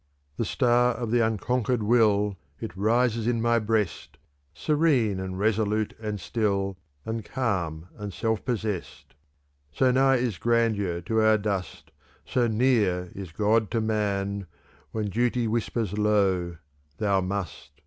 "The star of the unconquered will, It rises in my breast, Serene and resolute and still, And calm and self possessed. "So nigh is grandeur to our dust, So near is God to man, When duty whispers low, 'Thou must!'